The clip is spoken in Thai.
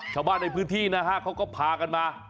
ชาวบ้านในพื้นที่นะฮะเขาก็พากันมา